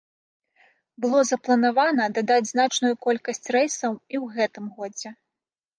Было запланавана дадаць значную колькасць рэйсаў і ў гэтым годзе.